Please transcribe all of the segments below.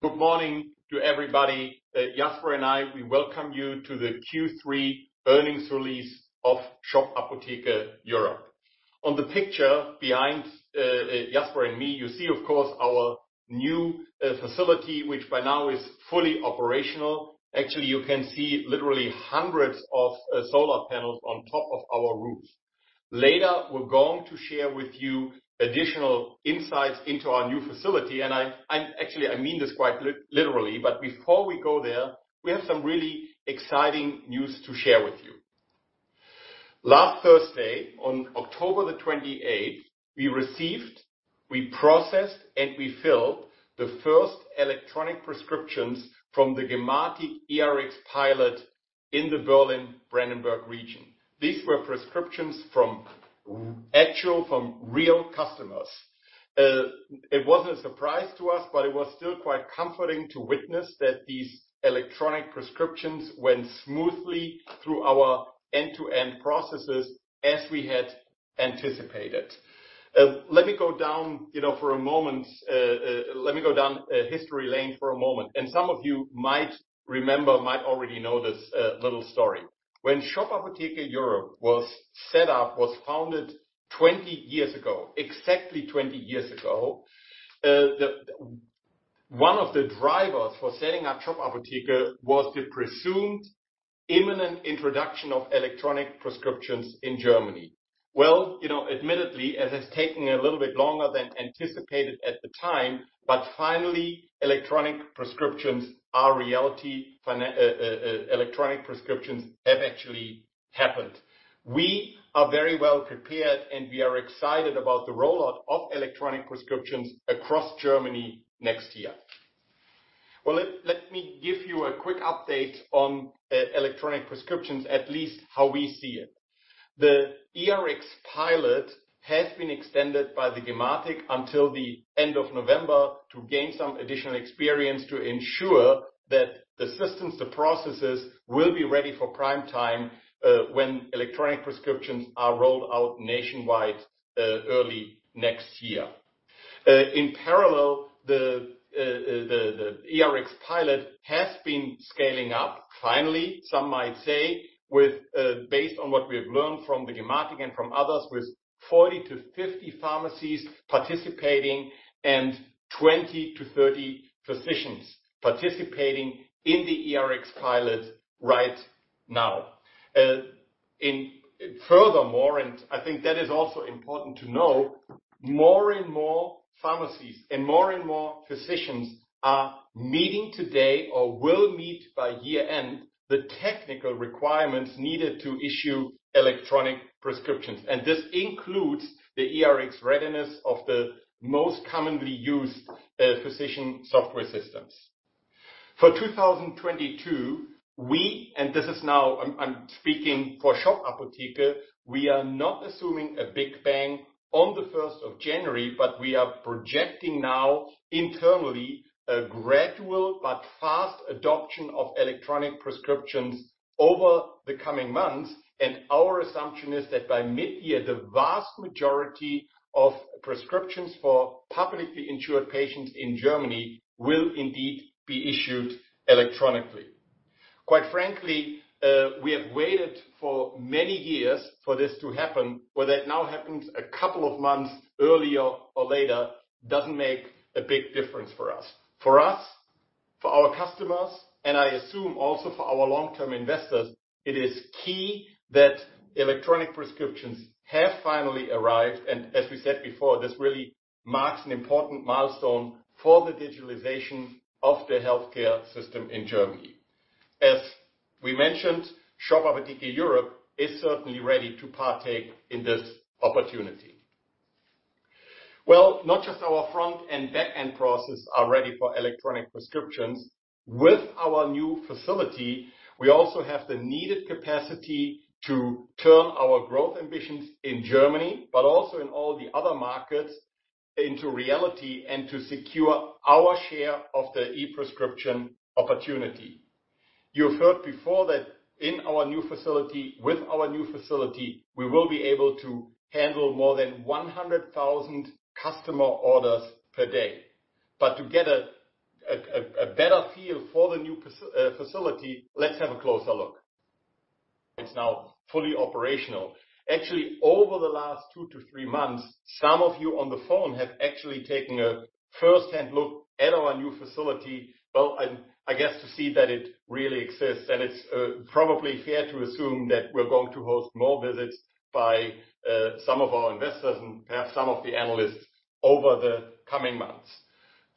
Good morning to everybody. Jasper and I welcome you to the Q3 earnings release of Shop Apotheke Europe. On the picture behind Jasper and me, you see of course our new facility, which by now is fully operational. Actually, you can see literally hundreds of solar panels on top of our roofs. Later, we're going to share with you additional insights into our new facility, and actually, I mean this quite literally. Before we go there, we have some really exciting news to share with you. Last Thursday, on October the 28th, we received, we processed and we filled the first electronic prescriptions from the Gematik e-Rx pilot in the Berlin-Brandenburg region. These were prescriptions from actual real customers. It wasn't a surprise to us, but it was still quite comforting to witness that these electronic prescriptions went smoothly through our end-to-end processes as we had anticipated. Let me go down memory lane for a moment, you know, and some of you might remember, might already know this, little story. When Shop Apotheke Europe was set up, was founded exactly 20 years ago, one of the drivers for setting up Shop Apotheke was the presumed imminent introduction of electronic prescriptions in Germany. Well, you know, admittedly, it has taken a little bit longer than anticipated at the time, but finally, electronic prescriptions are reality. Electronic prescriptions have actually happened. We are very well prepared, and we are excited about the rollout of electronic prescriptions across Germany next year. Let me give you a quick update on electronic prescriptions, at least how we see it. The e-Rx pilot has been extended by the Gematik until the end of November to gain some additional experience to ensure that the systems, the processes will be ready for prime time when electronic prescriptions are rolled out nationwide early next year. In parallel, the e-Rx pilot has been scaling up finally, some might say, with based on what we have learned from the Gematik and from others, with 40 pharmacies-50 pharmacies participating and 20 physicians-30 physicians participating in the e-Rx pilot right now. Furthermore, I think that is also important to know, more and more pharmacies and more and more physicians are meeting today or will meet by year-end the technical requirements needed to issue electronic prescriptions, and this includes the e-Rx readiness of the most commonly used physician software systems. For 2022, we, and this is now I'm speaking for Shop Apotheke, we are not assuming a big bang on the first of January, but we are projecting now internally a gradual but fast adoption of electronic prescriptions over the coming months. Our assumption is that by mid-year, the vast majority of prescriptions for publicly insured patients in Germany will indeed be issued electronically. Quite frankly, we have waited for many years for this to happen. Whether it now happens a couple of months earlier or later doesn't make a big difference for us. For us, for our customers, and I assume also for our long-term investors, it is key that electronic prescriptions have finally arrived. As we said before, this really marks an important milestone for the digitalization of the healthcare system in Germany. As we mentioned, Shop Apotheke Europe is certainly ready to partake in this opportunity. Well, not just our front and back-end processes are ready for electronic prescriptions. With our new facility, we also have the needed capacity to turn our growth ambitions in Germany, but also in all the other markets, into reality and to secure our share of the e-prescription opportunity. You have heard before that with our new facility, we will be able to handle more than 100,000 customer orders per day. To get a better feel for the new facility, let's have a closer look. It's now fully operational. Actually, over the last two to three months, some of you on the phone have actually taken a first-hand look at our new facility. I guess to see that it really exists, and it's probably fair to assume that we're going to host more visits by some of our investors and perhaps some of the analysts over the coming months.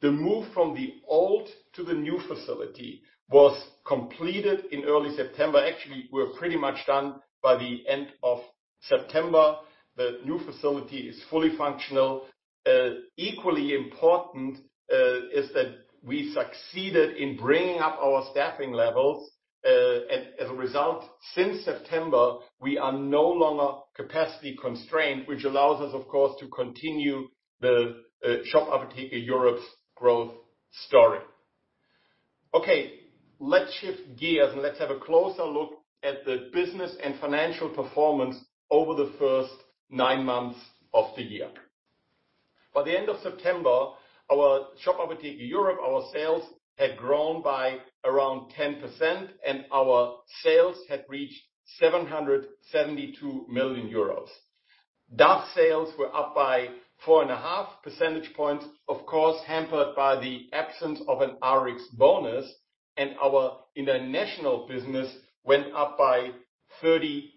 The move from the old to the new facility was completed in early September. Actually, we were pretty much done by the end of September. The new facility is fully functional. Equally important is that we succeeded in bringing up our staffing levels. As a result, since September, we are no longer capacity constrained, which allows us, of course, to continue the Shop Apotheke Europe's growth story. Okay, let's shift gears and let's have a closer look at the business and financial performance over the first nine months of the year. By the end of September, our Shop Apotheke Europe's sales had grown by around 10% and our sales had reached 772 million euros. DACH sales were up by 4.5 percentage points, of course, hampered by the absence of an Rx bonus, and our international business went up by 38%.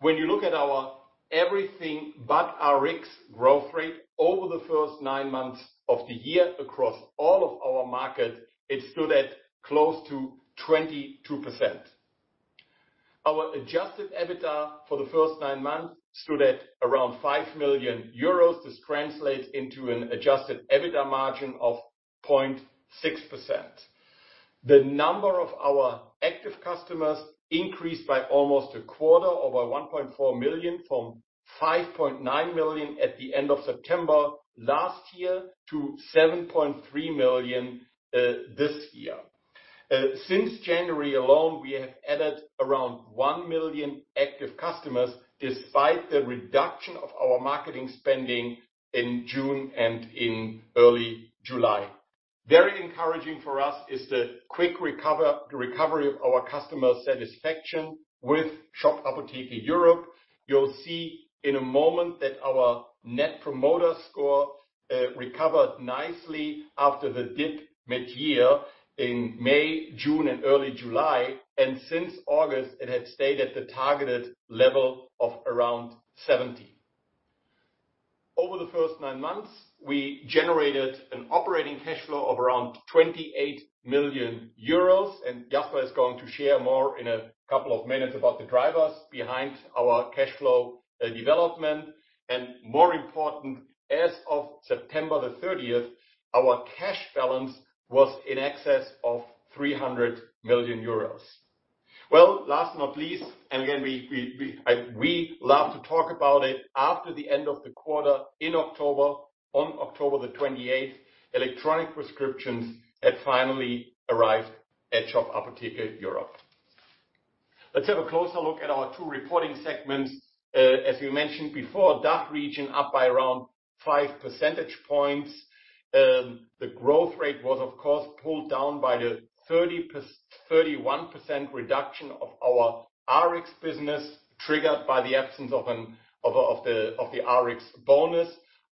When you look at our everything but Rx growth rate over the first nine months of the year across all of our markets, it stood at close to 22%. Our adjusted EBITDA for the first nine months stood at around 5 million euros. This translates into an adjusted EBITDA margin of 0.6%. The number of our active customers increased by almost a quarter, over 1.4 million, from 5.9 million at the end of September last year to 7.3 million this year. Since January alone, we have added around one million active customers despite the reduction of our marketing spending in June and in early July. Very encouraging for us is the quick recovery of our customer satisfaction with Shop Apotheke Europe. You'll see in a moment that our net promoter score recovered nicely after the dip mid-year in May, June, and early July. Since August, it has stayed at the targeted level of around 70. Over the first nine months, we generated an operating cash flow of around 28 million euros, and Jasper is going to share more in a couple of minutes about the drivers behind our cash flow development. More important, as of September 30th, our cash balance was in excess of 300 million euros. Last but not least, we love to talk about it after the end of the quarter in October. On October 28th, electronic prescriptions had finally arrived at Shop Apotheke Europe. Let's have a closer look at our two reporting segments. As we mentioned before, DACH region up by around 5 percentage points. The growth rate was of course pulled down by the 31% reduction of our Rx business, triggered by the absence of the Rx bonus.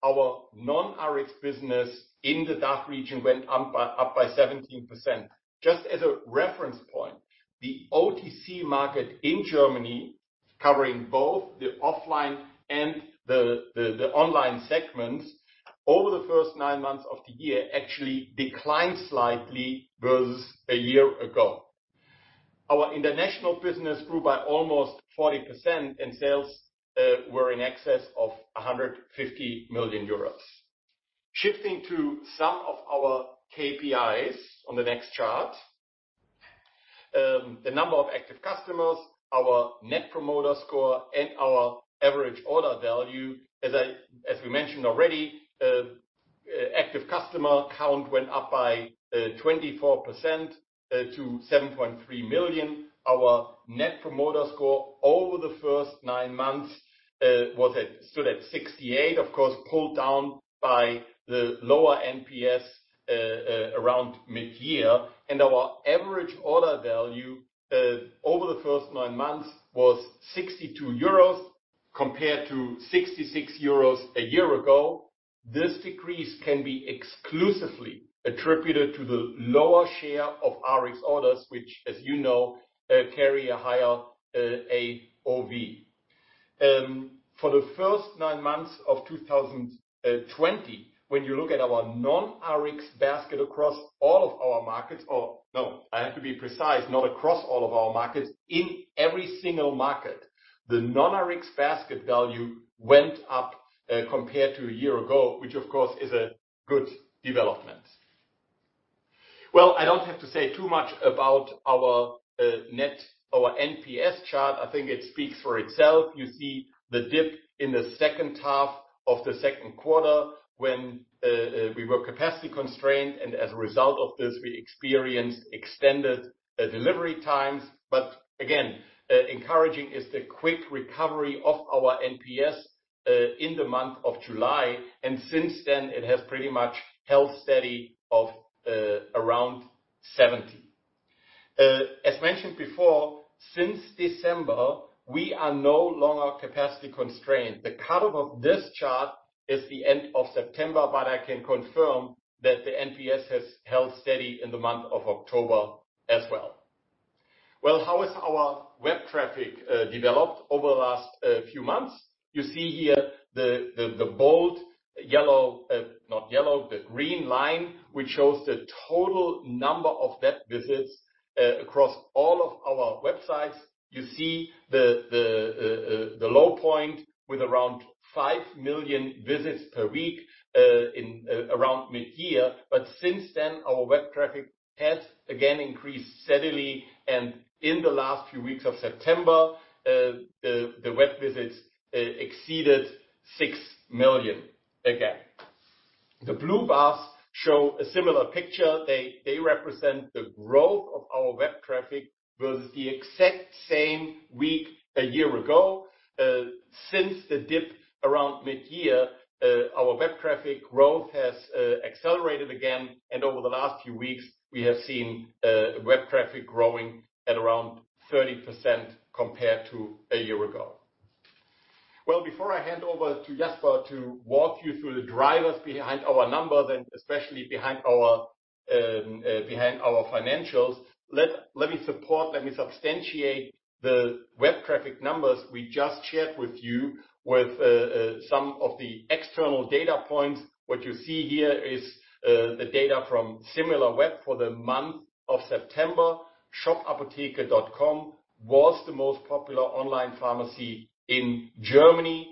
Our non-Rx business in the DACH region went up by 17%. Just as a reference point, the OTC market in Germany, covering both the offline and the online segments over the first nine months of the year actually declined slightly versus a year ago. Our international business grew by almost 40% and sales were in excess of 150 million euros. Shifting to some of our KPIs on the next chart. The number of active customers, our net promoter score, and our average order value. As we mentioned already, active customer count went up by 24% to 7.3 million. Our net promoter score over the first nine months stood at 68, of course, pulled down by the lower NPS around mid-year. Our average order value over the first nine months was 62 euros compared to 66 euros a year ago. This decrease can be exclusively attributed to the lower share of Rx orders, which, as you know, carry a higher AOV. For the first nine months of 2020, when you look at our non-Rx basket across all of our markets. Or no, I have to be precise, not across all of our markets. In every single market, the non-Rx basket value went up compared to a year ago, which of course is a good development. Well, I don't have to say too much about our NPS chart. I think it speaks for itself. You see the dip in the second half of the second quarter when we were capacity constrained, and as a result of this, we experienced extended delivery times. Again, encouraging is the quick recovery of our NPS in the month of July. Since then, it has pretty much held steady of around 70. As mentioned before, since December, we are no longer capacity constrained. The cut-off of this chart is the end of September, but I can confirm that the NPS has held steady in the month of October as well. Well, how has our web traffic developed over the last few months? You see here the bold green line, which shows the total number of web visits across all of our websites. You see the low point with around 5 million visits per week in around mid-year. Since then, our web traffic has again increased steadily, and in the last few weeks of September, the web visits exceeded 6 million again. The blue bars show a similar picture. They represent the growth of our web traffic versus the exact same week a year ago. Since the dip around mid-year, our web traffic growth has accelerated again, and over the last few weeks, we have seen web traffic growing at around 30% compared to a year ago. Well, before I hand over to Jasper to walk you through the drivers behind our numbers, and especially behind our financials, let me substantiate the web traffic numbers we just shared with you with some of the external data points. What you see here is the data from Similarweb for the month of September. shop-apotheke.com was the most popular online pharmacy in Germany.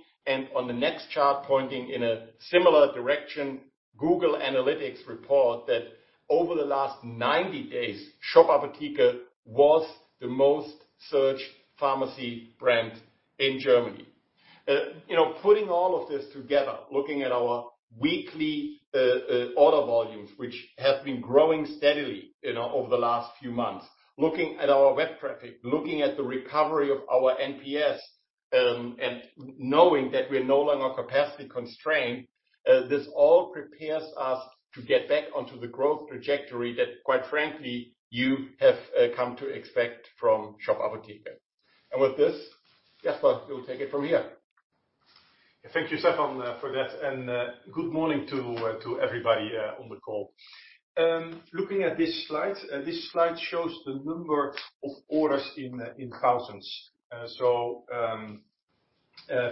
On the next chart, pointing in a similar direction, Google Analytics report that over the last 90 days, Shop Apotheke was the most searched pharmacy brand in Germany. You know, putting all of this together, looking at our weekly order volumes, which have been growing steadily, you know, over the last few months. Looking at our web traffic, looking at the recovery of our NPS, and knowing that we're no longer capacity constrained, this all prepares us to get back onto the growth trajectory that, quite frankly, you have come to expect from Shop Apotheke. With this, Jasper, you'll take it from here. Thank you, Stefan, for that. Good morning to everybody on the call. Looking at this slide, this slide shows the number of orders in thousands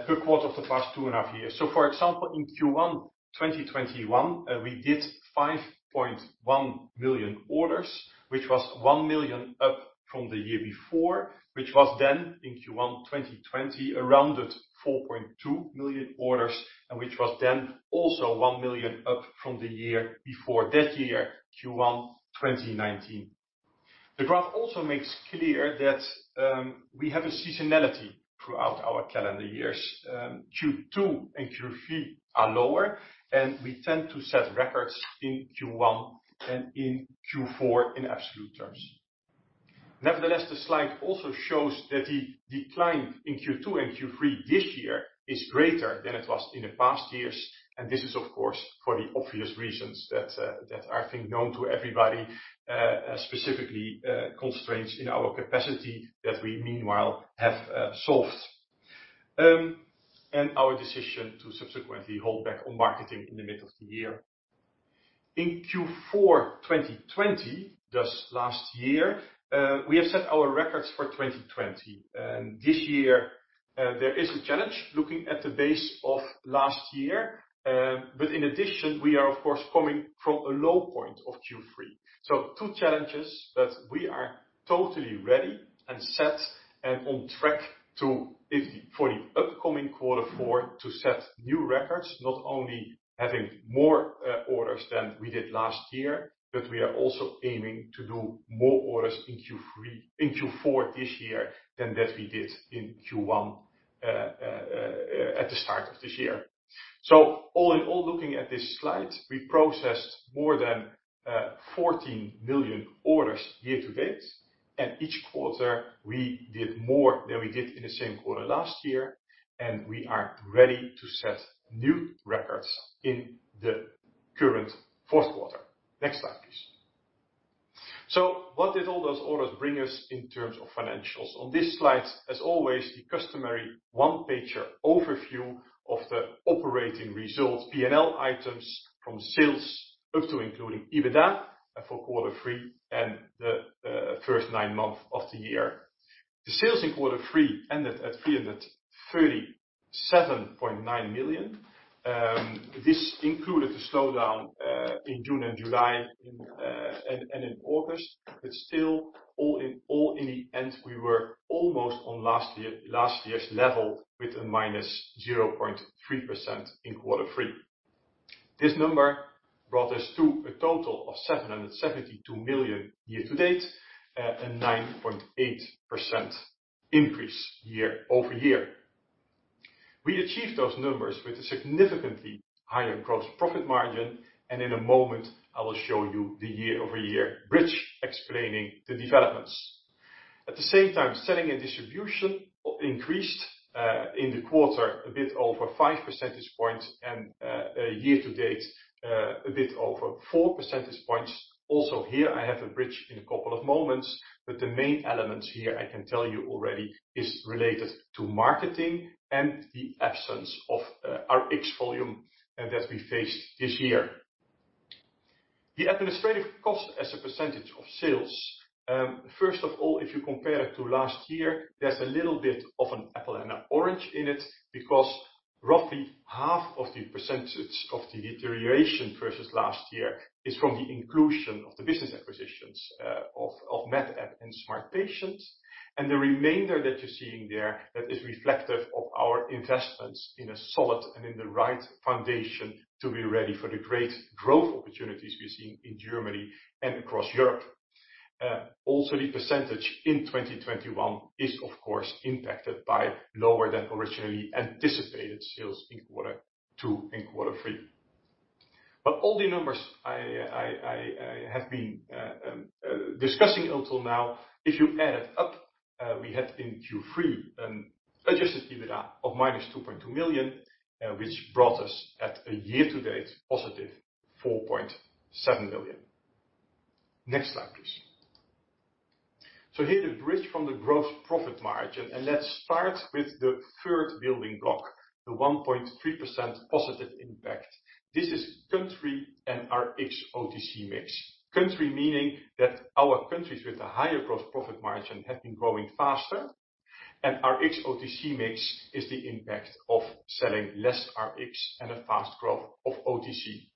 per quarter for the past two and a half years. For example, in Q1 2021, we did 5.1 million orders, which was one million up from the year before, which was then in Q1 2020 around at 4.2 million orders, and which was then also one million up from the year before that year, Q1 2019. The graph also makes clear that we have a seasonality throughout our calendar years. Q2 and Q3 are lower, and we tend to set records in Q1 and in Q4 in absolute terms. Nevertheless, the slide also shows that the decline in Q2 and Q3 this year is greater than it was in the past years. This is of course for the obvious reasons that are, I think, known to everybody, specifically, constraints in our capacity that we meanwhile have solved, and our decision to subsequently hold back on marketing in the middle of the year. In Q4 2020, thus last year, we have set our records for 2020. This year, there is a challenge looking at the base of last year. In addition, we are of course coming from a low point of Q3. Two challenges that we are totally ready and set and on track to if for the upcoming quarter four to set new records, not only having more orders than we did last year, but we are also aiming to do more orders in Q4 this year than that we did in Q1 at the start of this year. All in all, looking at this slide, we processed more than 14 million orders year-to-date, and each quarter we did more than we did in the same quarter last year, and we are ready to set new records in the current fourth quarter. Next slide, please. What did all those orders bring us in terms of financials? On this slide, as always, the customary one-pager overview of the operating results, P&L items from sales up to including EBITDA for quarter three and the first nine months of the year. The sales in quarter three ended at 337.9 million. This included the slowdown in June and July and in August. Still, all in all, in the end, we were almost on last year's level with a -0.3% in quarter three. This number brought us to a total of 772 million year-to-date, at a 9.8% increase year-over-year. We achieved those numbers with a significantly higher gross profit margin, and in a moment, I will show you the year-over-year bridge explaining the developments. At the same time, selling and distribution increased in the quarter a bit over 5 percentage points and year-to-date a bit over 4 percentage points. Also here I have a bridge in a couple of moments, but the main elements here I can tell you already is related to marketing and the absence of our Rx volume that we faced this year. The administrative cost as a percentage of sales. First of all, if you compare it to last year, there's a little bit of an apple and an orange in it, because roughly half of the percentage of the deterioration versus last year is from the inclusion of the business acquisitions of MedApp and Smartpatient. The remainder that you're seeing there that is reflective of our investments in a solid and in the right foundation to be ready for the great growth opportunities we're seeing in Germany and across Europe. Also the percentage in 2021 is of course impacted by lower than originally anticipated sales in Q2 and Q3. All the numbers I have been discussing until now, if you add it up, we had in Q3 an adjusted EBITDA of -2.2 million, which brought us at a year-to-date positive 4.7 million. Next slide, please. Here the bridge from the gross profit margin, and let's start with the third building block, the 1.3% positive impact. This is country and our Rx/OTC mix. Country, meaning that our countries with a higher gross profit margin have been growing faster, and Rx/OTC mix is the impact of selling less Rx and a fast growth of OTC.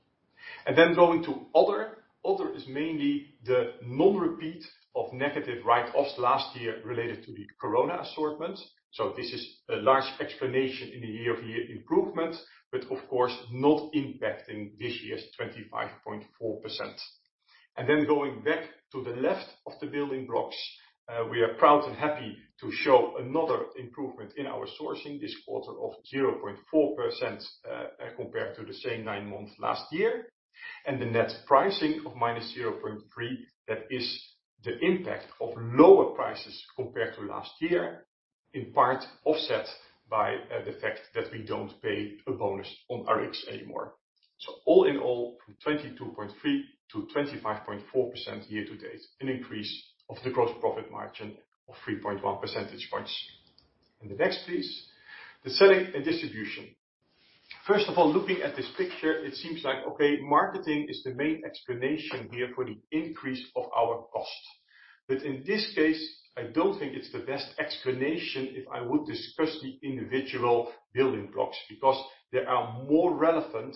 Going to other. Other is mainly the non-repeat of negative write-offs last year related to the corona assortment. This is a large explanation in the year-over-year improvement, but of course, not impacting this year's 25.4%. Going back to the left of the building blocks, we are proud and happy to show another improvement in our sourcing this quarter of 0.4%, compared to the same nine months last year. The net pricing of -0.3%, that is the impact of lower prices compared to last year, in part offset by the fact that we don't pay a bonus on Rx anymore. All in all, from 22.3%-25.4% year-to-date, an increase of the gross profit margin of 3.1 percentage points. The next please. The selling and distribution. First of all, looking at this picture, it seems like, okay, marketing is the main explanation here for the increase of our costs. But in this case, I don't think it's the best explanation if I would discuss the individual building blocks, because there are more relevant,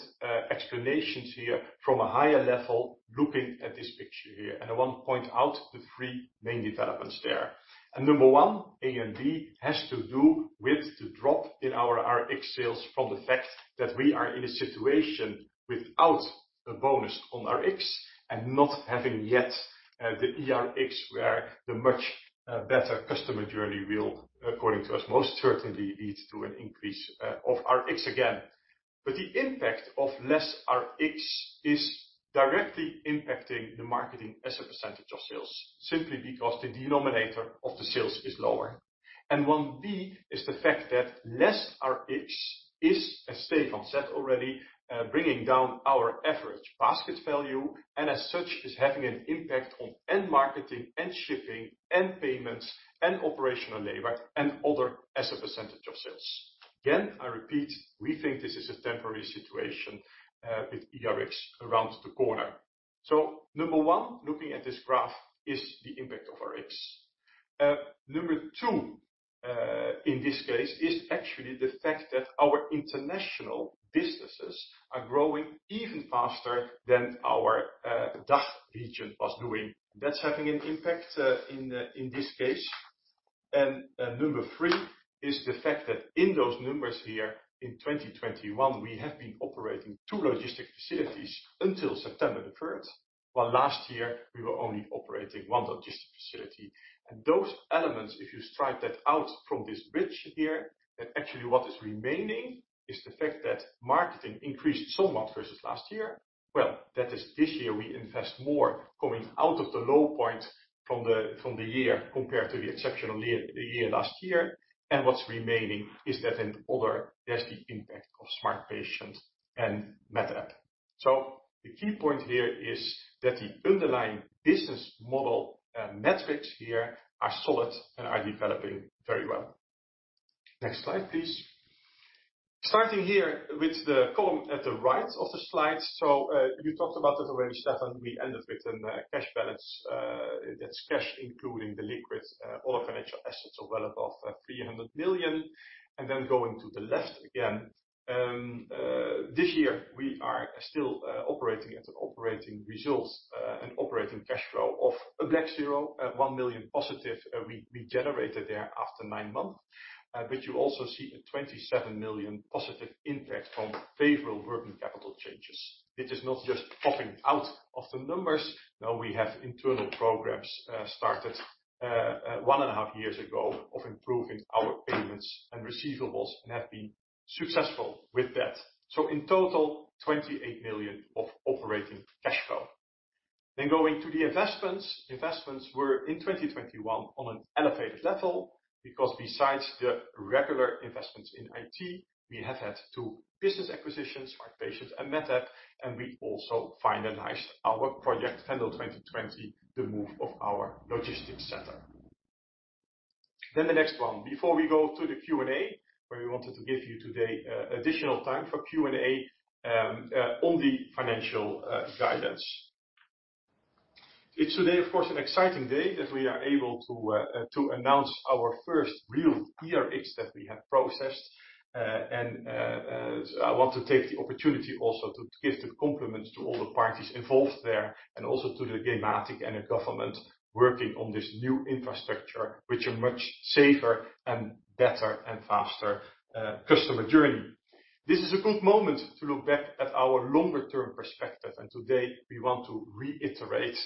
explanations here from a higher level looking at this picture here. I want to point out the three main developments there. Number one, A and B, has to do with the drop in our Rx sales from the fact that we are in a situation without a bonus on Rx and not having yet the eRx, where the much better customer journey will, according to us, most certainly lead to an increase of Rx again. The impact of less Rx is directly impacting the marketing as a percentage of sales, simply because the denominator of the sales is lower. One B is the fact that less Rx is, as Stefan said already, bringing down our average basket value, and as such, is having an impact on our marketing and shipping, and payments, and operational labor, and other as a percentage of sales. Again, I repeat, we think this is a temporary situation with eRx around the corner. Number one, looking at this graph is the impact of Rx. Number two, in this case is actually the fact that our international businesses are growing even faster than our DACH region was doing. That's having an impact in this case. Number three is the fact that in those numbers here in 2021, we have been operating two logistics facilities until September 3rd, while last year we were only operating one logistics facility. Those elements, if you strike that out from this bridge here, and actually what is remaining is the fact that marketing increased so much versus last year. Well, that is this year we invest more coming out of the low point from the year compared to the exceptional year last year. What's remaining is that in other, there's the impact of Smartpatient and MedApp. The key point here is that the underlying business model, metrics here are solid and are developing very well. Next slide, please. Starting here with the column at the right of the slide. You talked about that already, Stefan. We ended with a cash balance. That's cash, including the liquid, all financial assets of well above 300 million. Then going to the left again. This year we are still operating at an operating result, an operating cash flow of 0 million-1 million positive we generated after nine months. But you also see a 27 million positive impact from favorable working capital changes. It is not just popping out of the numbers. No, we have internal programs started one and a half years ago of improving our payments and receivables and have been successful with that. In total, 28 million of operating cash flow. Going to the investments. Investments were in 2021 on an elevated level because besides the regular investments in IT, we have had two business acquisitions, Smartpatient and MedApp, and we also finalized our project Venlo 2020, the move of our logistics center. The next one. Before we go to the Q&A, where we wanted to give you today additional time for Q&A on the financial guidance. It's today, of course, an exciting day that we are able to to announce our first real eRx that we have processed. I want to take the opportunity also to give the compliments to all the parties involved there and also to the Gematik and the government working on this new infrastructure, which are much safer and better and faster customer journey. This is a good moment to look back at our longer term perspective. Today, we want to reiterate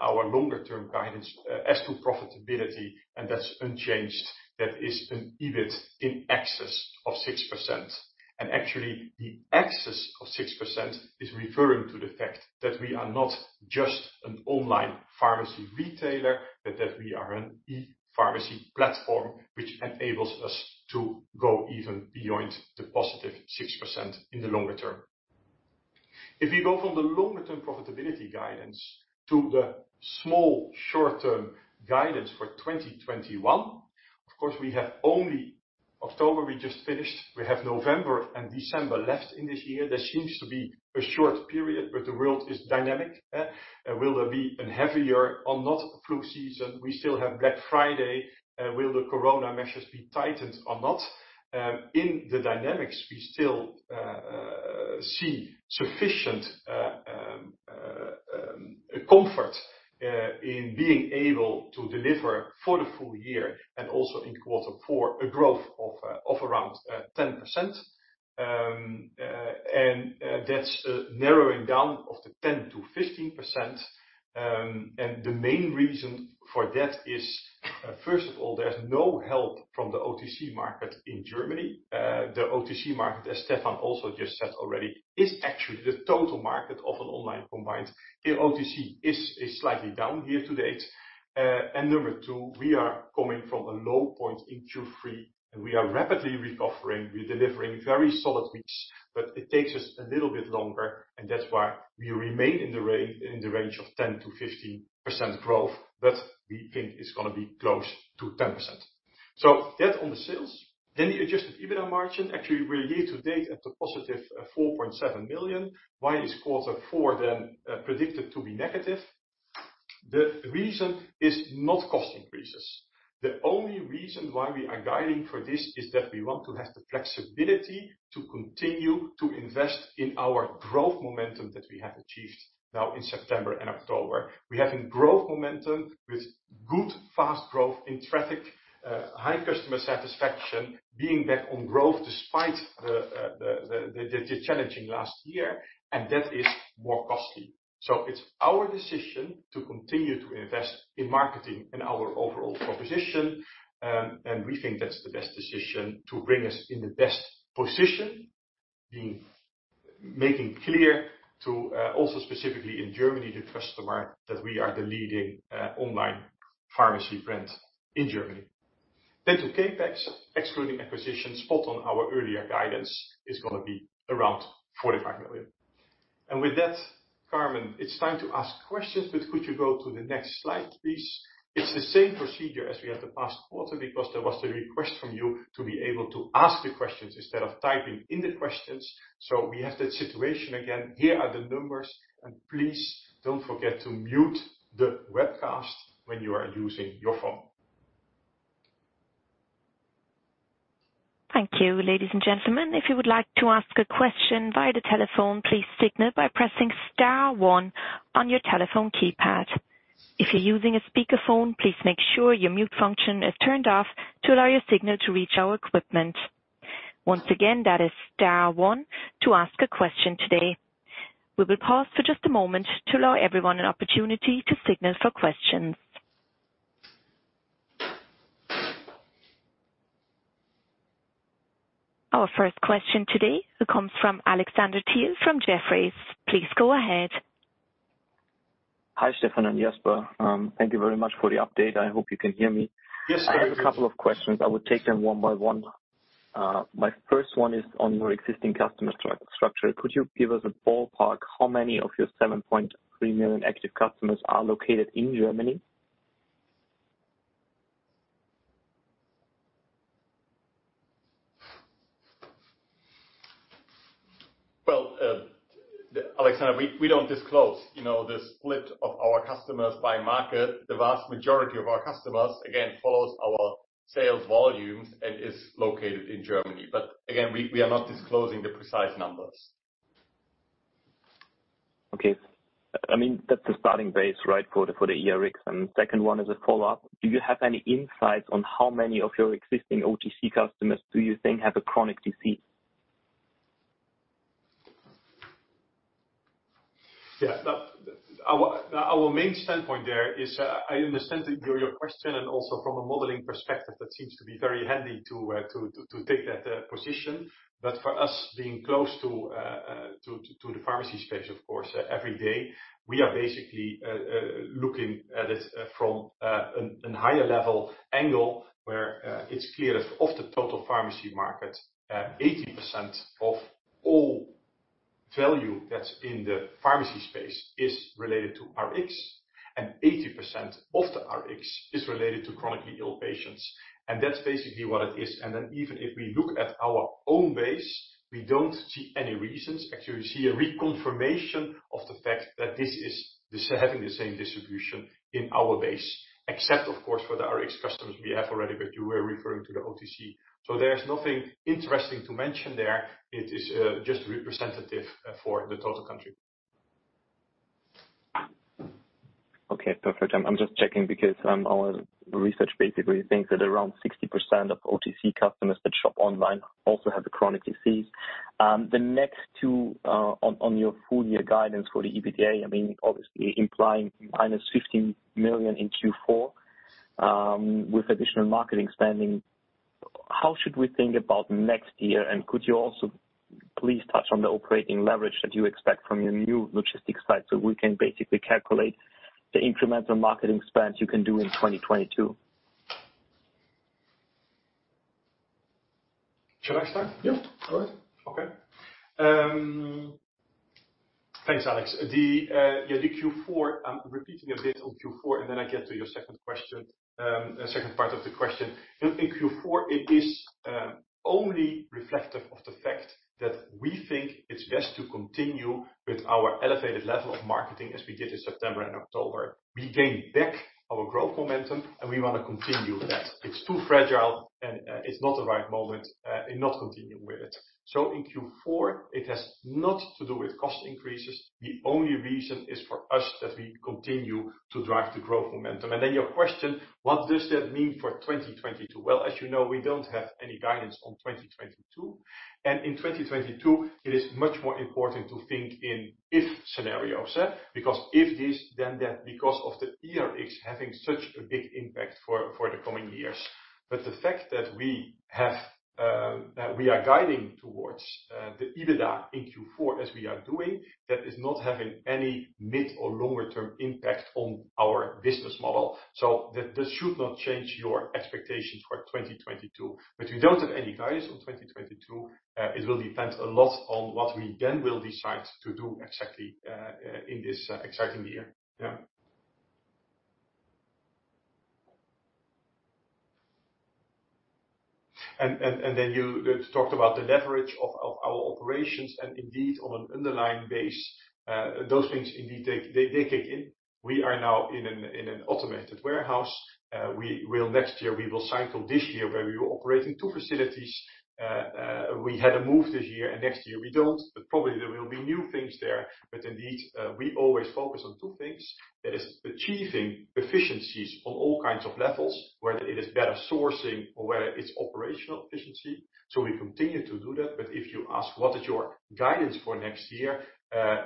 our longer term guidance as to profitability, and that's unchanged. That is an EBIT in excess of 6%. Actually, the excess of 6% is referring to the fact that we are not just an online pharmacy retailer, but that we are an ePharmacy platform, which enables us to go even beyond the positive 6% in the longer term. If we go from the longer term profitability guidance to the some short term guidance for 2021, of course, we have only October we just finished. We have November and December left in this year. That seems to be a short period, but the world is dynamic. Will there be a heavier or not flu season? We still have Black Friday. Will the corona measures be tightened or not? In the dynamics, we still see sufficient comfort in being able to deliver for the full year and also in quarter four, a growth of around 10%. That's narrowing down to the 10%-15%. The main reason for that is, first of all, there's no help from the OTC market in Germany. The OTC market, as Stefan also just said already, is actually the total market online combined. Here OTC is slightly down to date. Number two, we are coming from a low point in Q3, and we are rapidly recovering. We're delivering very solid weeks, but it takes us a little bit longer, and that's why we remain in the range of 10%-15% growth. We think it's gonna be close to 10%. That on the sales. The adjusted EBITDA margin, actually we're year-to-date at the positive 4.7 million. Why is quarter four then predicted to be negative? The reason is not cost increases. The only reason why we are guiding for this is that we want to have the flexibility to continue to invest in our growth momentum that we have achieved now in September and October. We're having growth momentum with good, fast growth in traffic, high customer satisfaction, being back on growth despite the challenging last year, and that is more costly. It's our decision to continue to invest in marketing and our overall proposition, and we think that's the best decision to bring us in the best position, making clear to, also specifically in Germany, the customer that we are the leading online pharmacy brand in Germany. To CapEx, excluding acquisitions, spot on our earlier guidance is gonna be around 45 million. With that, Carmen, it's time to ask questions, but could you go to the next slide, please? It's the same procedure as we had the past quarter because there was the request from you to be able to ask the questions instead of typing in the questions. We have that situation again. Here are the numbers. Please don't forget to mute the webcast when you are using your phone. Thank you. Ladies and gentlemen, if you would like to ask a question via the telephone, please signal by pressing star one on your telephone keypad. If you're using a speakerphone, please make sure your mute function is turned off to allow your signal to reach our equipment. Once again, that is star one to ask a question today. We will pause for just a moment to allow everyone an opportunity to signal for questions. Our first question today comes from Alexander Thiel from Jefferies. Please go ahead. Hi, Stefan and Jasper. Thank you very much for the update. I hope you can hear me. Yes. I have a couple of questions. I will take them one by one. My first one is on your existing customer structure. Could you give us a ballpark how many of your 7.3 million active customers are located in Germany? Well, Alexander, we don't disclose, you know, the split of our customers by market. The vast majority of our customers, again, follows our sales volumes and is located in Germany. Again, we are not disclosing the precise numbers. Okay. I mean, that's the starting base, right, for the e-Rx. Second one is a follow-up. Do you have any insights on how many of your existing OTC customers do you think have a chronic disease? Yeah. Our main standpoint there is, I understand your question and also from a modeling perspective, that seems to be very handy to take that position. But for us, being close to the pharmacy space, of course, every day, we are basically looking at it from a higher level angle where it's clear, of the total pharmacy market, 80% of all value that's in the pharmacy space is related to Rx and 80% of the Rx is related to chronically ill patients. That's basically what it is. Even if we look at our own base, we don't see any reasons. Actually, we see a reconfirmation of the fact that this is the same, having the same distribution in our base, except of course, for the Rx customers we have already, but you were referring to the OTC. There's nothing interesting to mention there. It is just representative for the total country. Okay, perfect. I'm just checking because our research basically thinks that around 60% of OTC customers that shop online also have chronic disease. The next two on your full year guidance for the EBITDA, I mean, obviously implying -50 million in Q4, with additional marketing spending. How should we think about next year? And could you also please touch on the operating leverage that you expect from your new logistics site, so we can basically calculate the incremental marketing spends you can do in 2022? Should I start? Yeah. Go ahead. Thanks, Alexander. The Q4, I'm repeating a bit on Q4, and then I get to your second question, second part of the question. In Q4, it is only reflective of the fact that we think it's best to continue with our elevated level of marketing as we did in September and October. We gained back our growth momentum, and we wanna continue that. It's too fragile and it's not the right moment in not continuing with it. So in Q4, it has naught to do with cost increases. The only reason is for us that we continue to drive the growth momentum. Then your question, what does that mean for 2022? Well, as you know, we don't have any guidance on 2022. In 2022, it is much more important to think in if scenarios, because if this then that, because of the e-Rx having such a big impact for the coming years. The fact that we are guiding towards the EBITDA in Q4 as we are doing, that is not having any mid or longer term impact on our business model. This should not change your expectations for 2022. We don't have any guidance on 2022. It will depend a lot on what we then will decide to do exactly in this exciting year. And then you talked about the leverage of our operations, and indeed, on an underlying base, those things indeed kick in. We are now in an automated warehouse. We will cycle this year where we were operating two facilities. We had a move this year, and next year we don't, but probably there will be new things there. Indeed, we always focus on two things. That is achieving efficiencies on all kinds of levels, whether it is better sourcing or whether it's operational efficiency. We continue to do that. If you ask, what is your guidance for next year,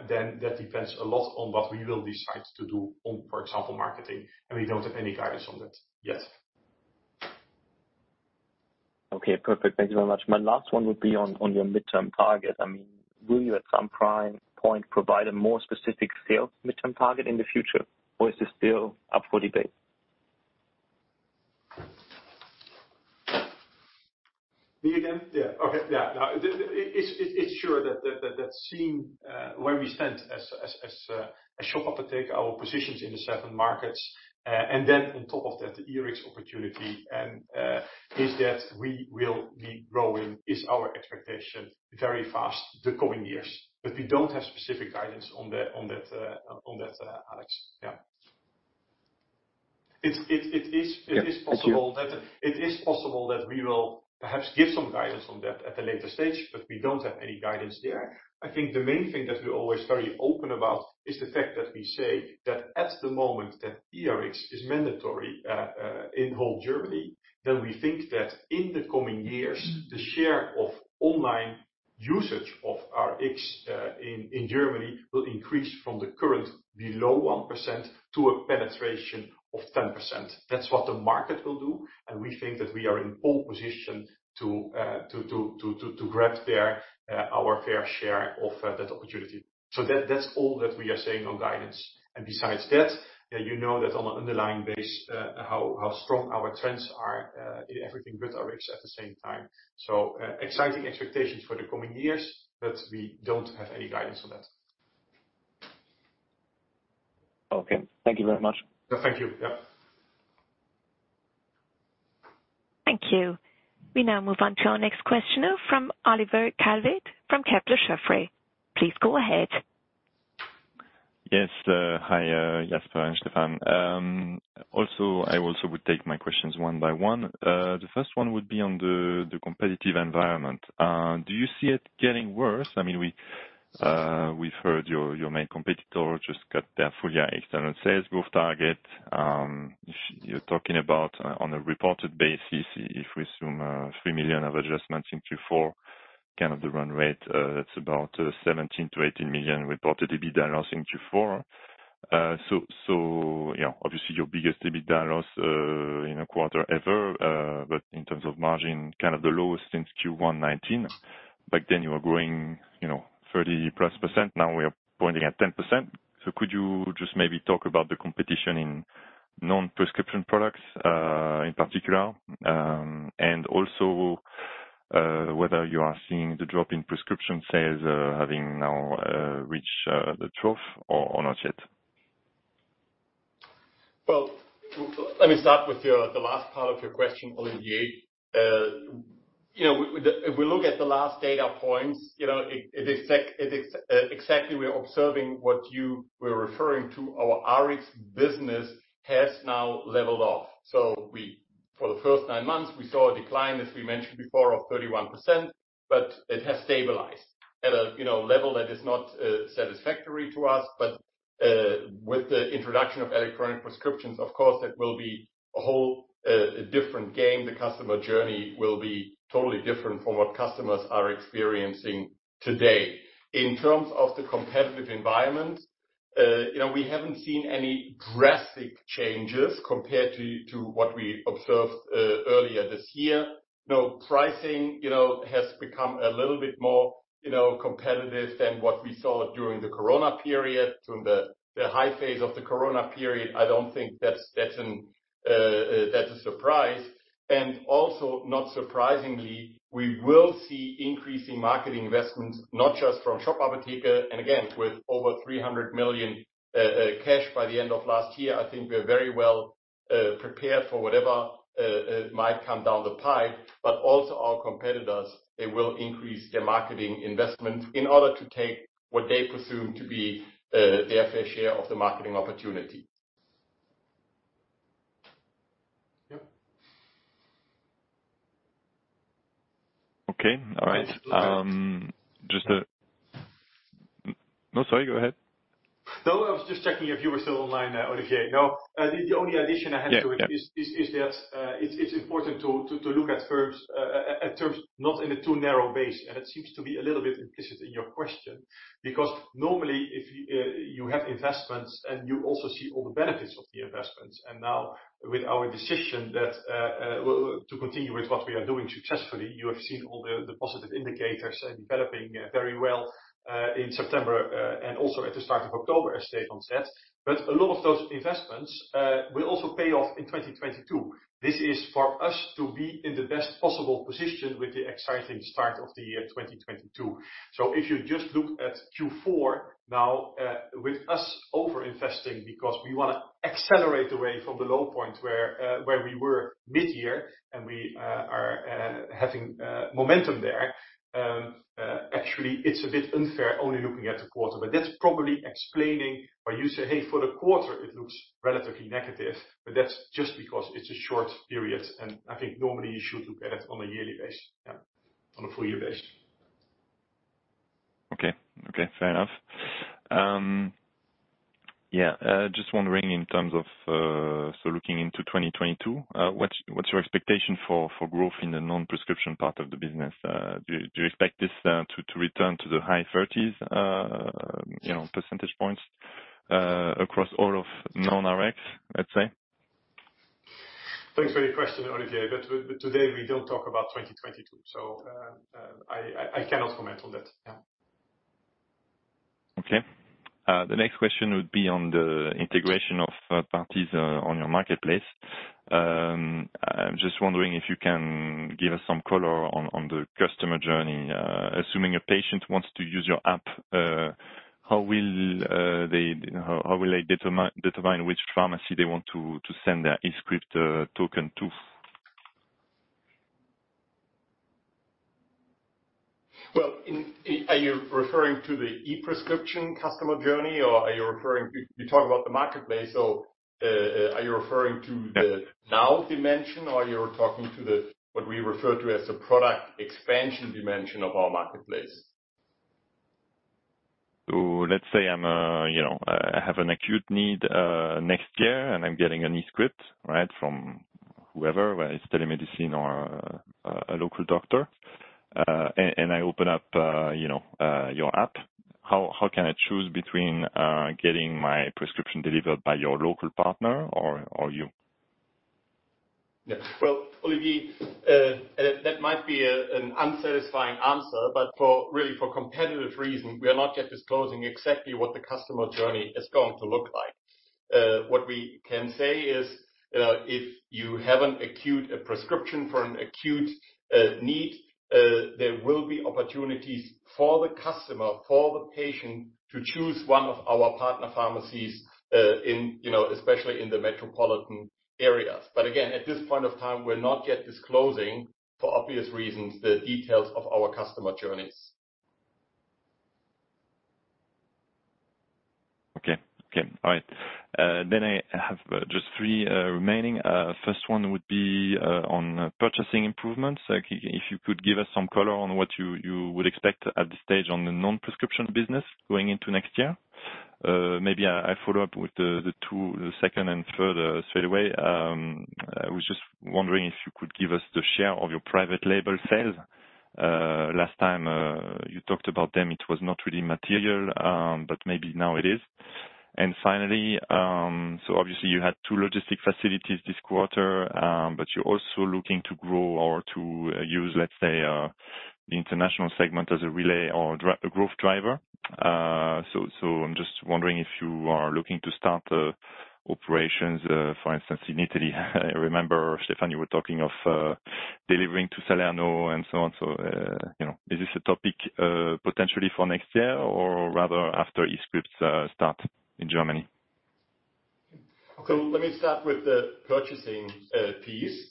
then that depends a lot on what we will decide to do on, for example, marketing, and we don't have any guidance on that yet. Okay, perfect. Thank you very much. My last one would be on your midterm target. I mean, will you at some point provide a more specific sales midterm target in the future, or is this still up for debate? Me again? Yeah. Okay. Yeah. No, it's sure that we see where we stand as Shop Apotheke and take our positions in the seven markets, and then on top of that, the e-Rx opportunity and that we will be growing is our expectation very fast the coming years. But we don't have specific guidance on that, Alex. Yeah. It is- Yeah. Thank you. It is possible that we will perhaps give some guidance on that at a later stage, but we don't have any guidance there. I think the main thing that we're always very open about is the fact that we say that at the moment that e-Rx is mandatory in whole Germany, then we think that in the coming years, the share of online usage of Rx in Germany will increase from the current below 1% to a penetration of 10%. That's what the market will do, and we think that we are in pole position to grab our fair share of that opportunity. That's all that we are saying on guidance. Besides that, you know that on an underlying basis, how strong our trends are in everything but RX at the same time. Exciting expectations for the coming years, but we don't have any guidance on that. Okay. Thank you very much. Yeah, thank you. Yeah. Thank you. We now move on to our next questioner from Olivier Calvet from Kepler Cheuvreux. Please go ahead. Yes. Hi, Jasper and Stefan. I would take my questions one by one. The first one would be on the competitive environment. Do you see it getting worse? I mean, we've heard your main competitor just cut their full-year external sales growth target. You're talking about on a reported basis, if we assume 3 million of adjustments in Q4, kind of the run rate, that's about 17 million-18 million reported EBITDA in Q4. So yeah, obviously your biggest EBITDA loss in a quarter ever, but in terms of margin, kind of the lowest since Q1 2019. Back then you were growing, you know, 30%+. Now we are pointing at 10%. Could you just maybe talk about the competition in non-prescription products, in particular, and also whether you are seeing the drop in prescription sales having now reached the trough or not yet? Well, let me start with the last part of your question, Olivier. If we look at the last data points, you know, we're observing exactly what you were referring to. Our Rx business has now leveled off. For the first nine months, we saw a decline, as we mentioned before, of 31%, but it has stabilized at a level that is not satisfactory to us. With the introduction of electronic prescriptions, of course, it will be a whole different game. The customer journey will be totally different from what customers are experiencing today. In terms of the competitive environment. You know, we haven't seen any drastic changes compared to what we observed earlier this year. You know, pricing, you know, has become a little bit more, you know, competitive than what we saw during the Corona period. During the high phase of the Corona period, I don't think that's a surprise. Also, not surprisingly, we will see increasing marketing investments, not just from Shop Apotheke. Again, with over 300 million cash by the end of last year, I think we're very well prepared for whatever might come down the pipe. Also our competitors, they will increase their marketing investment in order to take what they presume to be their fair share of the marketing opportunity. Yeah. Okay. All right. No, sorry, go ahead. No, I was just checking if you were still online there, Olivier. No, the only addition I have to it. Yeah. It's important to look at terms not in a too narrow base, and it seems to be a little bit implicit in your question. Because normally if you have investments and you also see all the benefits of the investments, and now with our decision to continue with what we are doing successfully, you have seen all the positive indicators are developing very well in September and also at the start of October, as Stefan said. But a lot of those investments will also pay off in 2022. This is for us to be in the best possible position with the exciting start of the year 2022. If you just look at Q4 now, with us over-investing because we wanna accelerate away from the low point where we were mid-year and we are having momentum there, actually it's a bit unfair only looking at a quarter. That's probably explaining why you say, "Hey, for the quarter it looks relatively negative." That's just because it's a short period, and I think normally you should look at it on a yearly basis, yeah, on a full year basis. Okay, fair enough. Yeah, just wondering in terms of looking into 2022, what's your expectation for growth in the non-prescription part of the business? Do you expect this to return to the high 30s, you know, percentage points, across all of non-RX, let's say? Thanks for your question, Olivier. Today we don't talk about 2022, so I cannot comment on that. Yeah. Okay. The next question would be on the integration of parties on your marketplace. I'm just wondering if you can give us some color on the customer journey. Assuming a patient wants to use your app, how will they determine which pharmacy they want to send their eScript token to? Well, are you referring to the e-prescription customer journey? You talk about the marketplace, so are you referring to the now dimension or you're talking to the what we refer to as the product expansion dimension of our marketplace? Let's say I'm a, you know, I have an acute need next year and I'm getting an eScript, right? From whoever, whether it's telemedicine or a local doctor. And I open up, you know, your app, how can I choose between getting my prescription delivered by your local partner or you? Yeah. Well, Olivier, that might be an unsatisfying answer, but really for competitive reasons, we are not yet disclosing exactly what the customer journey is going to look like. What we can say is, if you have a prescription for an acute need, there will be opportunities for the customer, for the patient to choose one of our partner pharmacies, you know, especially in the metropolitan areas. But again, at this point of time, we're not yet disclosing, for obvious reasons, the details of our customer journeys. All right. I have just three remaining. First one would be on purchasing improvements. Like if you could give us some color on what you would expect at this stage on the non-prescription business going into next year. Maybe I follow up with the second and third straight away. I was just wondering if you could give us the share of your private label sales. Last time you talked about them, it was not really material, but maybe now it is. Finally, obviously you had two logistics facilities this quarter, but you're also looking to grow or to use, let's say, the international segment as a relay or a growth driver. I'm just wondering if you are looking to start operations, for instance, in Italy. I remember, Stefan, you were talking of delivering to Salerno and so on. You know, is this a topic potentially for next year or rather after eScript start in Germany? Let me start with the purchasing piece.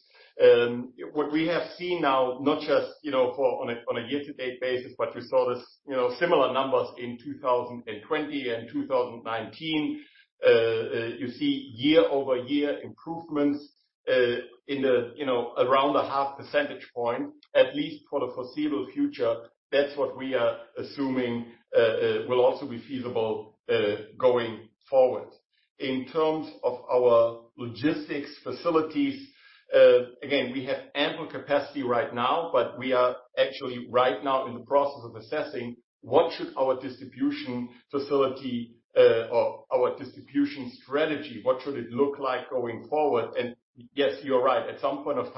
What we have seen now, not just, you know, on a year-to-date basis, but we saw this, you know, similar numbers in 2020 and 2019. You see year-over-year improvements, you know, around a half percentage point, at least for the foreseeable future. That's what we are assuming will also be feasible going forward. In terms of our logistics facilities, again, we have ample capacity right now, but we are actually right now in the process of assessing what should our distribution facility or our distribution strategy look like going forward? Yes, you're right. At some point of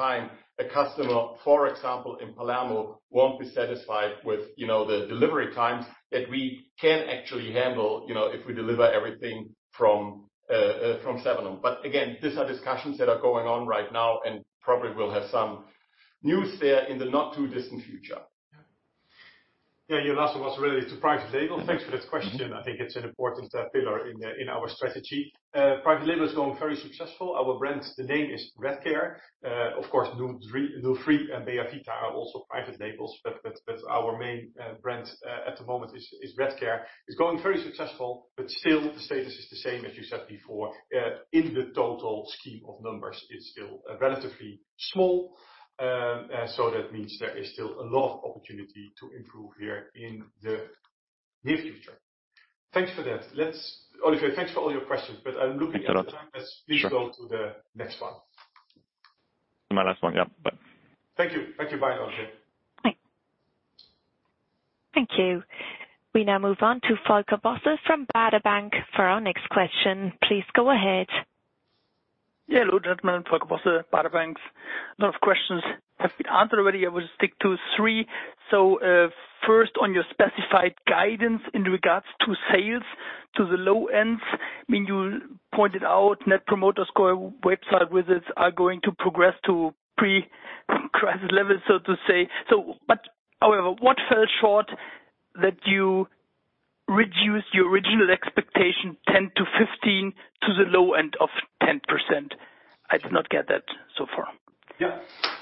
time, a customer, for example, in Palermo, won't be satisfied with, you know, the delivery times that we can actually handle, you know, if we deliver everything from Sevenum. But again, these are discussions that are going on right now, and probably we'll have some news there in the not-too-distant future. Yeah. Your last was related to private label. Thanks for this question. I think it's an important pillar in our strategy. Private label is going very successful. Our brand, the name is Redcare. Of course, nu3 and Beavita are also private labels, but our main brand at the moment is Redcare. It's going very successful, but still the status is the same as you said before. In the total scheme of numbers, it's still relatively small. So that means there is still a lot of opportunity to improve here in the near future. Thanks for that. Olivier, thanks for all your questions, but I'm looking at the time. Sure. Let's please go to the next one. My last one. Yep. Bye. Thank you. Thank you. Bye, Olivier. Bye. Thank you. We now move on to Volker Bosse from Baader Bank for our next question. Please go ahead. Hello, gentlemen. Volker Bosse, Baader Bank. A lot of questions have been answered already. I will stick to three. First, on your specified guidance in regards to sales to the low end, I mean, you pointed out net promoter score website visits are going to progress to pre-crisis levels, so to say. However, what fell short that you reduced your original expectation 10%-15% to the low end of 10%? I did not get that so far.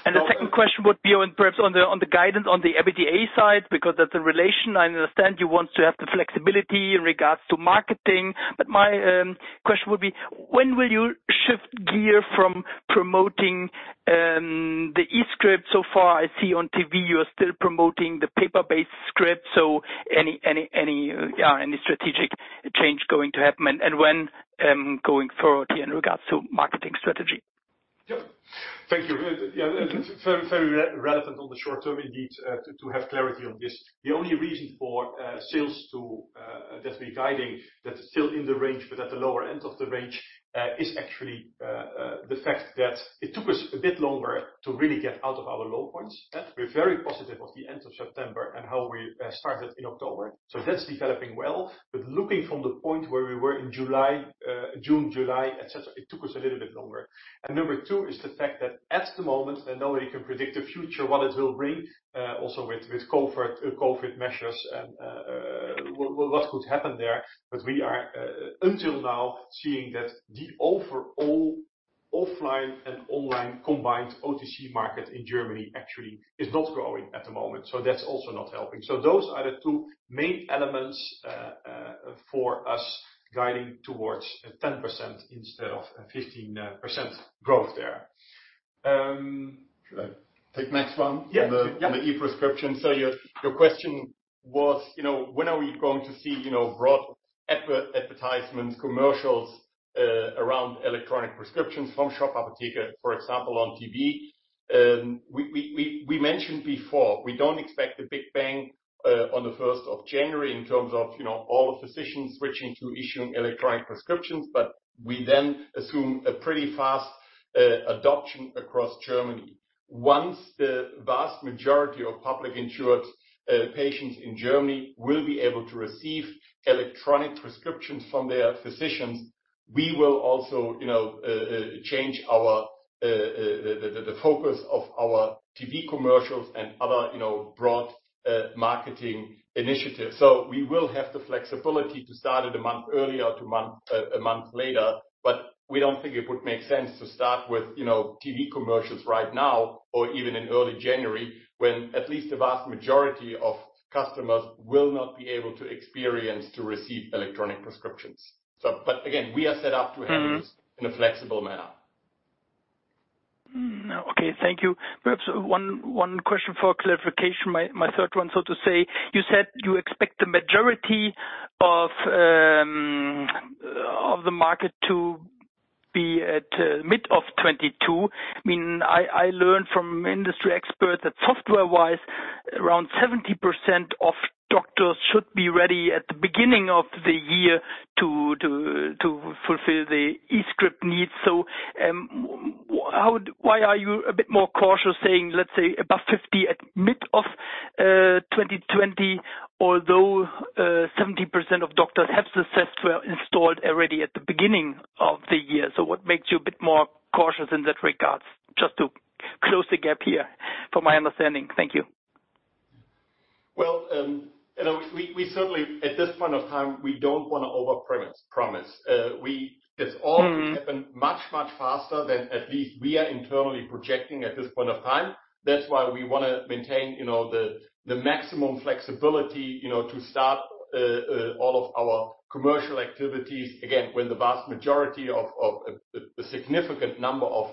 Yeah. The second question would be perhaps on the guidance on the EBITDA side, because that's a relation. I understand you want to have the flexibility in regards to marketing. My question would be: When will you shift gear from promoting the eScript? So far I see on TV you are still promoting the paper-based script. Any strategic change going to happen and when, going forward here in regards to marketing strategy? Thank you. Very, very relevant on the short term indeed, to have clarity on this. The only reason for sales that we're guiding that are still in the range but at the lower end of the range is actually the fact that it took us a bit longer to really get out of our low points. We're very positive of the end of September and how we started in October. So that's developing well. Looking from the point where we were in June, July, et cetera, it took us a little bit longer. Number two is the fact that at the moment, and nobody can predict the future, what it will bring, also with COVID measures and what could happen there. We are until now seeing that the overall offline and online combined OTC market in Germany actually is not growing at the moment, so that's also not helping. Those are the two main elements for us guiding towards a 10% instead of a 15% growth there. Should I take the next one? Yeah. On the e-prescription. Your question was, you know, when are we going to see, you know, broad advertisements, commercials around electronic prescriptions from Shop Apotheke, for example, on TV? We mentioned before, we don't expect a big bang on the 1st of January in terms of, you know, all physicians switching to issuing electronic prescriptions, but we then assume a pretty fast adoption across Germany. Once the vast majority of public insured patients in Germany will be able to receive electronic prescriptions from their physicians, we will also, you know, change our the focus of our TV commercials and other, you know, broad marketing initiatives. We will have the flexibility to start it a month earlier or a month later, but we don't think it would make sense to start with, you know, TV commercials right now or even in early January, when at least the vast majority of customers will not be able to experience or receive electronic prescriptions. Again, we are set up to handle this in a flexible manner. Okay. Thank you. Perhaps one question for clarification, my third one, so to say. You said you expect the majority of the market to be at mid of 2022. I mean, I learned from industry experts that software-wise, around 70% of doctors should be ready at the beginning of the year to fulfill the eScript needs. Why are you a bit more cautious saying, let's say, above 50 at mid of 2020, although 70% of doctors have the software installed already at the beginning of the year? What makes you a bit more cautious in that regard? Just to close the gap here for my understanding. Thank you. Well, you know, we certainly, at this point of time, we don't wanna over promise. It's all happened much faster than at least we are internally projecting at this point of time. That's why we wanna maintain, you know, the maximum flexibility, you know, to start all of our commercial activities, again, when the vast majority of a significant number of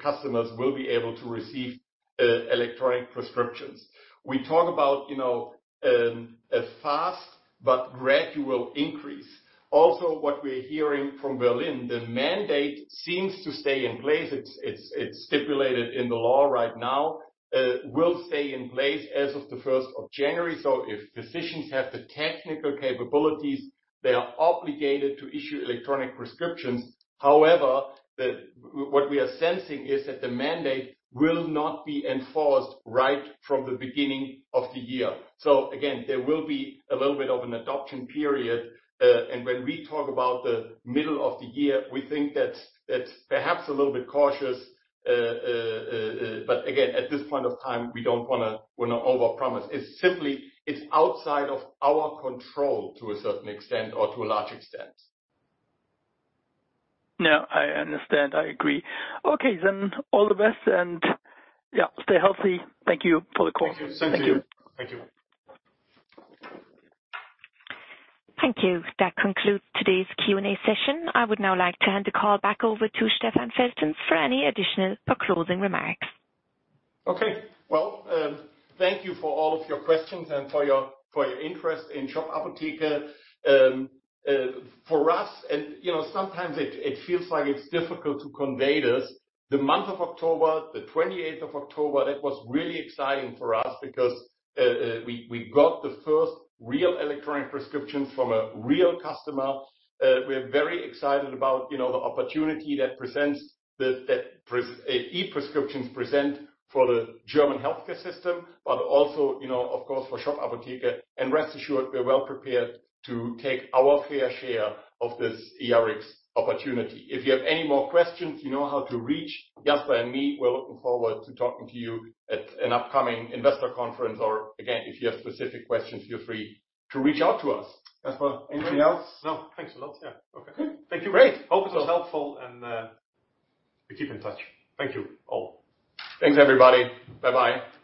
customers will be able to receive electronic prescriptions. We talk about, you know, a fast but gradual increase. Also what we're hearing from Berlin, the mandate seems to stay in place. It's stipulated in the law right now. It will stay in place as of the first of January, so if physicians have the technical capabilities, they are obligated to issue electronic prescriptions. However, what we are sensing is that the mandate will not be enforced right from the beginning of the year. Again, there will be a little bit of an adoption period. When we talk about the middle of the year, we think that's perhaps a little bit cautious. Again, at this point of time, we don't wanna over-promise. It's simply outside of our control to a certain extent or to a large extent. No, I understand. I agree. Okay, all the best and, yeah, stay healthy. Thank you for the call. Thank you. Same to you. Thank you. Thank you. Thank you. That concludes today's Q&A session. I would now like to hand the call back over to Stefan Feltens for any additional or closing remarks. Okay. Well, thank you for all of your questions and for your interest in Shop Apotheke. For us, you know, sometimes it feels like it's difficult to convey this. The month of October, the 28th of October, that was really exciting for us because we got the first real electronic prescription from a real customer. We're very excited about, you know, the opportunity that e-prescriptions present for the German healthcare system, but also, you know, of course, for Shop Apotheke. Rest assured we're well prepared to take our fair share of this eRX opportunity. If you have any more questions, you know how to reach Jasper and me. We're looking forward to talking to you at an upcoming investor conference or again, if you have specific questions, feel free to reach out to us. Jasper, anything else? No. Thanks a lot. Yeah. Okay. Thank you. Great. Hope it was helpful, and we keep in touch. Thank you all. Thanks, everybody. Bye-bye.